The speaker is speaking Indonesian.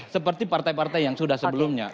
seperti partai partai yang sudah sebelumnya